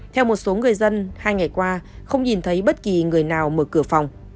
theo một số người dân hai ngày qua không nhìn thấy bất kỳ người nào mở cửa phòng